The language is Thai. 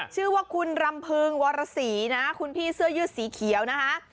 ชื่อว่าคุณรำพึงวรสีนะคุณพี่เสื้อยืดสีเขียวนะคะ